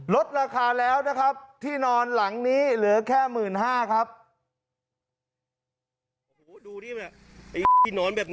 ลดราคาแล้วนะครับที่นอนหลังนี้เหลือแค่๑๕๐๐ครับ